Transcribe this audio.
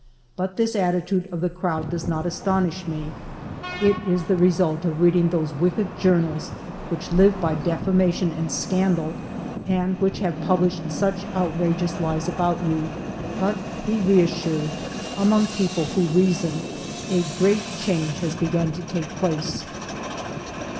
. But this attitude of the crowd does not astonish me ; it is the result of reading those wicked journals which live by defamation and scandal, and which have published such outrageous lies about you. But be reassured, among people who reason a great change has begun to take place."